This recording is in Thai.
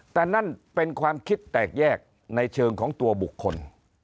แต่นั่นเป็นความคิดแตกแยกในเชิงของตัวบุคคล